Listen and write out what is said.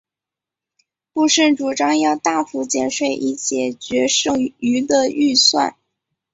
布什主张要大幅减税以解决剩余的预算。